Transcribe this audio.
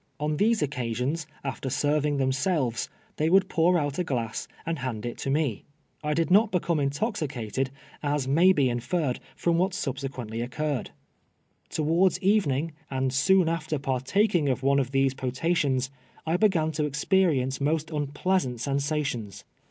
On tliose occa sii:>ns, alter serving themselves, lliey would i)()ur out a ylass and hand it to ine. I did not hecoinc intoxi cated, as may l;e inferred from uhat suhsetjueutly ocenrrcil. 'inwards eveniiii! , and soon after parta kinji; of one of these potations, I beg an to experience most unpleasant sensations.